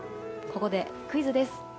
ここでクイズです。